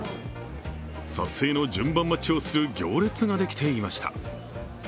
撮影の順番待ちをする行列ができていました。